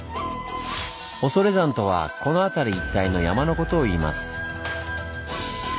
恐山とはこの辺り一帯の山のことをいいます。